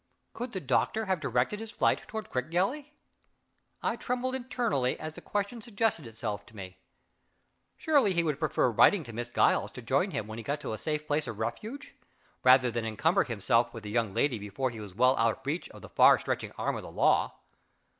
Could the doctor have directed his flight toward Crickgelly? I trembled internally as the question suggested itself to me. Surely he would prefer writing to Miss Giles to join him when he got to a safe place of refuge, rather than encumber himself with the young lady before he was well out of reach of the far stretching arm of the law.